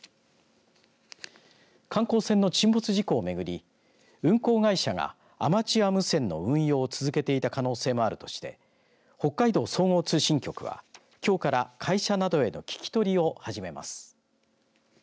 観光船の沈没事故をめぐり運航会社がアマチュア無線の運用を続けていた可能性もあるとして北海道総合通信局は、きょうから会社などへの聞き取りを始めます。